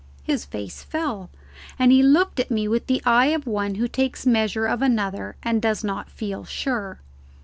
His face fell, and he looked at me with the eye of one who takes measure of another and does not feel sure.